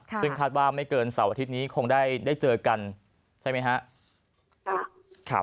ซึ่งคาดว่าไม่เกินเสาร์อาทิตย์นี้คงได้เจอกันใช่ไหมครับ